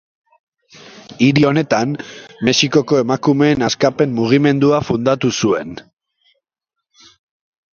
Hiri honetan, Mexikoko Emakumeen Askapen Mugimendua fundatu zuen.